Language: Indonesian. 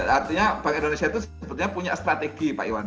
artinya bank indonesia itu sebetulnya punya strategi pak iwan